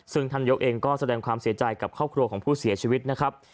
ซึ่งท่านยกเองก็แสดงความเสียใจกับครอบครัวของผู้เสียชีวิตนะครับ